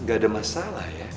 gak ada masalah ya